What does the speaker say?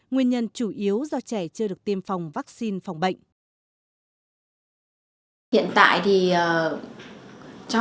nguyên nhân chủ yếu do trẻ chưa được tiêm phòng vaccine phòng bệnh